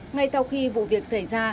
ngay sau khi vụ việc xảy ra